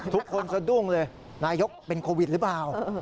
ทุกคนสะดุ้งเลยนายกเป็นโควิดหรือเปล่า